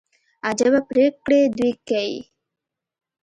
عجبه پرېکړي دوى کيي.